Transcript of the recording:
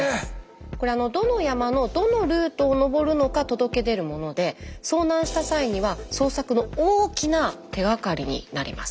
これどの山のどのルートを登るのか届け出るもので遭難した際には捜索の大きな手がかりになります。